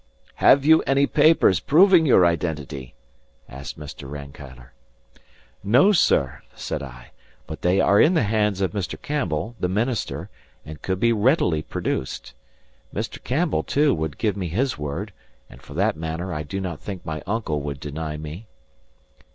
"Have you any papers proving your identity?" asked Mr. Rankeillor. "No, sir," said I, "but they are in the hands of Mr. Campbell, the minister, and could be readily produced. Mr. Campbell, too, would give me his word; and for that matter, I do not think my uncle would deny me."